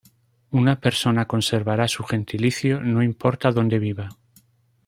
Una persona conservará su gentilicio no importa dónde viva.